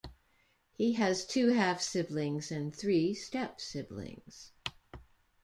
He has two half-siblings and three step-siblings.